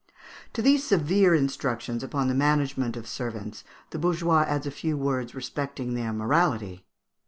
] To these severe instructions upon the management of servants, the bourgeois adds a few words respecting their morality.